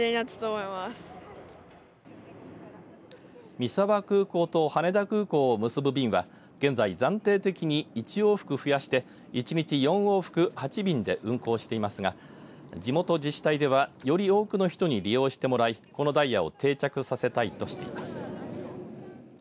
三沢空港と羽田空港を結ぶ便は現在、暫定的に１往復増やして１日４往復８便で運航していますが地元自治体ではより多くの人に利用してもらいこのダイヤを定着させたいとしています。